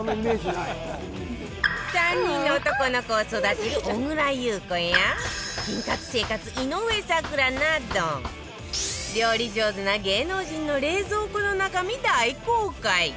３人の男の子を育てる小倉優子や菌活生活井上咲楽など料理上手な芸能人の冷蔵庫の中身大公開